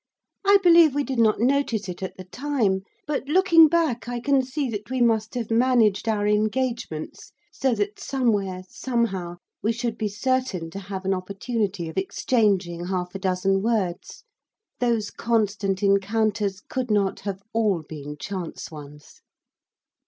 I believe we did not notice it at the time, but looking back I can see that we must have managed our engagements so that somewhere, somehow, we should be certain to have an opportunity of exchanging half a dozen words. Those constant encounters could not have all been chance ones.